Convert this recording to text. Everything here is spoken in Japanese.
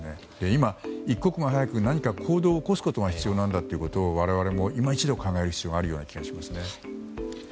今、一刻も早く何か行動を起こすことが必要なんだということを我々も今一度考える必要がある気がしますね。